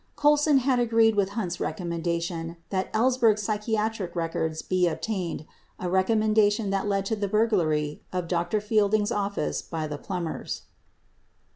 Colson had agreed with Hunt's recommendation that Ellsberg's psychiatrist's records be obtained — a recommendation that led to the burglary of Dr. Fielding's office by the Plumbers.